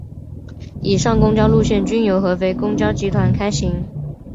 以上公交线路均由合肥公交集团开行。